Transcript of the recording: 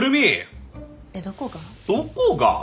えっどこが？